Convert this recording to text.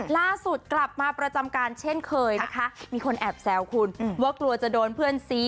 ล่าสุดกลับมาประจำการเช่นเคยนะคะมีคนแอบแซวคุณว่ากลัวจะโดนเพื่อนซี้